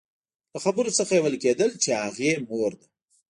له خبرو څخه يې ويل کېدل چې هغې مور ده.